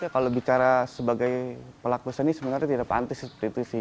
kalau bicara sebagai pelaku seni sebenarnya tidak pantas seperti itu sih